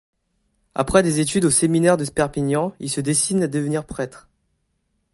Après des études au séminaire de Perpignan, il se destine à devenir prêtre.